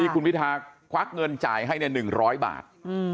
คุณพิทาควักเงินจ่ายให้๑๐๐บาท